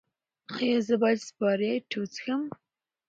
ایا زه باید سپرایټ وڅښم؟